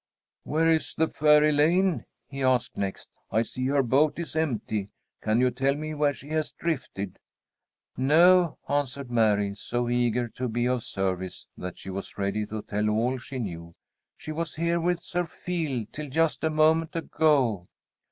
"Where is the fair Elaine?" he asked next. "I see her boat is empty. Can you tell me where she has drifted?" "No," answered Mary, so eager to be of service that she was ready to tell all she knew. "She was here with Sir Feal till just a moment ago."